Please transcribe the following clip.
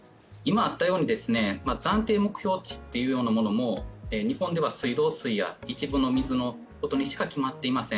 暫定目標値というようなものも日本では水道水や一部の水のことにしか決まっていません。